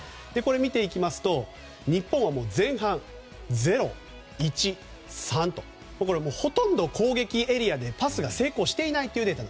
見ていきますと日本は前半０、１、３とほとんど攻撃エリアでパスが成功していないというデータ。